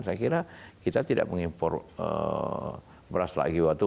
saya kira kita tidak mengimpor beras lagi waktu